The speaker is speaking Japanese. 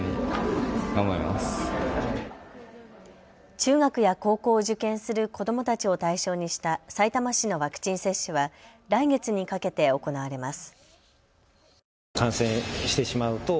中学や高校を受験する子どもたちを対象にしたさいたま市のワクチン接種は来月にかけて行われます。